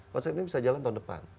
konsep ini bisa jalan tahun depan